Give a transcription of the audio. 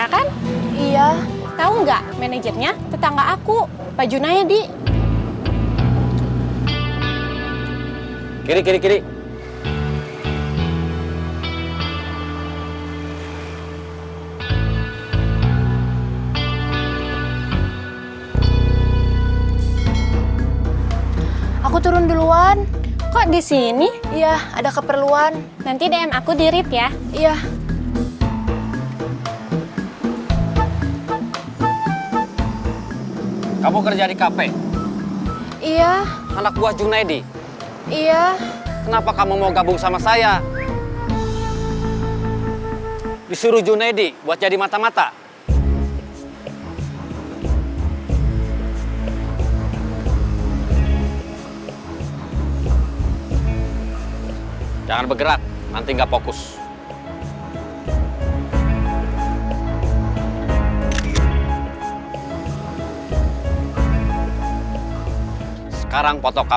kalau buat pembukaan sih gak papa